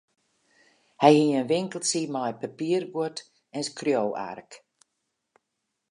Hy hie in winkeltsje mei papierguod en skriuwark.